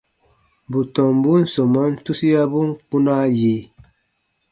Bù tɔmbun sɔmaan tusiabun kpunaa yi.